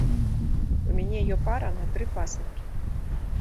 У мяне ё пара на тры пасынкі.